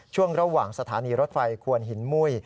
ช่วงระหว่างสถานีรถไฟควนหินมุ้ย